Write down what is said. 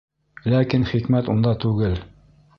Ләкин хикмәт унда түгел.